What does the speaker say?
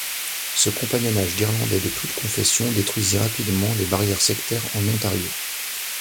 Ce compagnonnage d'Irlandais de toutes confessions détruisit rapidement les barrières sectaires en Ontario.